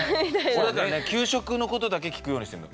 俺だからね給食のことだけ聞くようにしてるの。